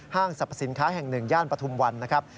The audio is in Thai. สรรพสินค้าแห่งหนึ่งย่านปฐุมวันนะครับ